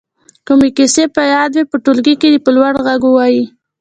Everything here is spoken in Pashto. کومې کیسې په یاد وي په ټولګي کې دې په لوړ غږ ووايي.